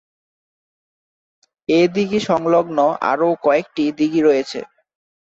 এ দিঘি সংলগ্ন আরও কয়েকটি দিঘী রয়েছে।